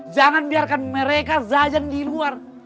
jangan biarkan mereka zajan di luar